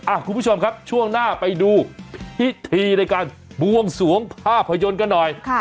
คุณผู้ชมครับช่วงหน้าไปดูพิธีในการบวงสวงภาพยนตร์กันหน่อย